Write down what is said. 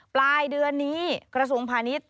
ปลายเดือนนี้กระทรวงภัณฑ์นี้